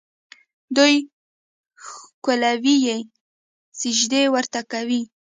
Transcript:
دوی ښکلوي یې، سجدې ورته کوي.